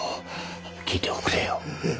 聞いておくれよ。